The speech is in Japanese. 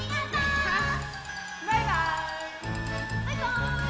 バイバーイ！